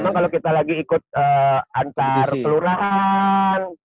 memang kalau kita lagi ikut antar kelurahan